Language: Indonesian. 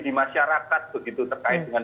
di masyarakat begitu terkait dengan